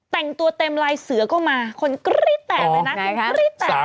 แต่งตัวเต็มลายเสือก็มาคนกริ้ดแต่ดเลยนะ